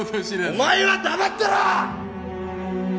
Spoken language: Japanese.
お前は黙ってろ！！